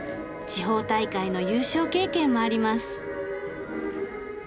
地方大会の優勝経験もあります。